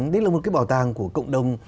đấy là một cái bảo tàng của cộng đồng